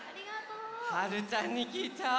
はるちゃんにきいちゃお。